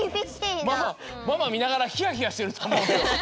ママみながらひやひやしてるとおもうけど。